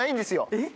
えっ？